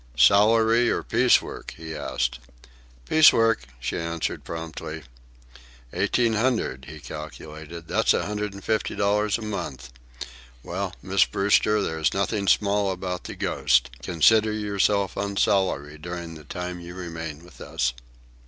"Salary, or piece work?" he asked. "Piece work," she answered promptly. "Eighteen hundred," he calculated. "That's a hundred and fifty dollars a month. Well, Miss Brewster, there is nothing small about the Ghost. Consider yourself on salary during the time you remain with us."